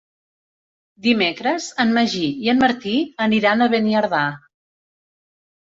Dimecres en Magí i en Martí aniran a Beniardà.